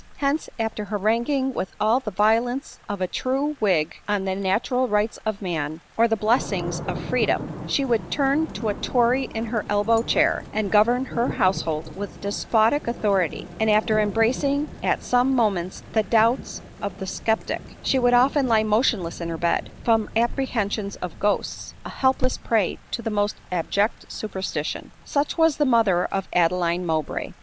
Hence, after haranguing with all the violence of a true whig on the natural rights of man, or the blessings of freedom, she would " turn to a tory in her elbow chair," and govern her household with despotic authority ; and after embracing at some moments the doubts of the scep tic, she would often lie motionless in her bed, from ap 6 ADELINE MOWBRAY. prehensions of ghosts, a helpless prey to the most abject superstition. Such was the mother of Apeeine Mowbray